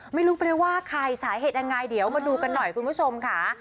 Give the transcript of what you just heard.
ไม่รู้ไปเลยว่าใครสาเหตุยังไงเดี๋ยวมาดูกันหน่อยคุณผู้ชมค่ะ